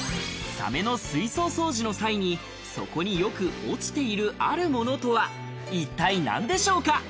サメの水槽掃除の際に、底によく落ちているあるものとは一体、何でしょうか？